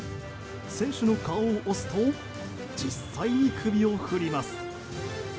選手の顔を押すと実際に首を振ります。